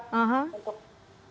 untuk pelajar indonesia